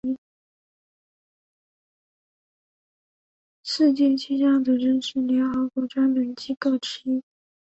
世界气象组织是联合国的专门机构之一。